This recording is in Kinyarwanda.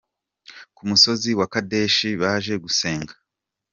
ku musozi wa Kadeshi baje gusenga.